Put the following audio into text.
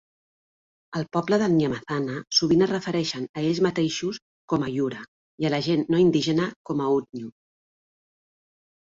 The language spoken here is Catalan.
El poble Adnyamathanha sovint es refereixen a ells mateixos com a "yura" i a la gent no indígena com a "udnyu".